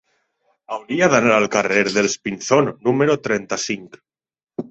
Hauria d'anar al carrer dels Pinzón número trenta-cinc.